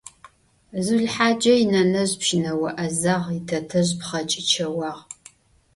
Зулхъаджэ инэнэжъ пщынэо Ӏэзагъ, итэтэжъ пхъэкӀычэуагъ.